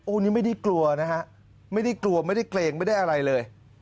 อันนี้ไม่ได้กลัวนะฮะไม่ได้กลัวไม่ได้เกรงไม่ได้อะไรเลย